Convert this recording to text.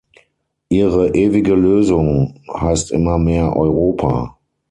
Ihre ewige Lösung heißt immer mehr Europa.